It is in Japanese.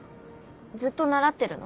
ずっと習ってるの？